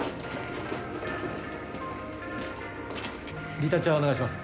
リタッチャーお願いします。